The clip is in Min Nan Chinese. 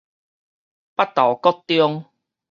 北投國中